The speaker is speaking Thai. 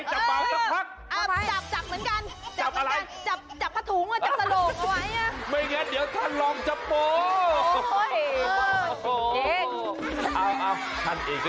ท่านรองท่านรองโดดลงไปแล้ว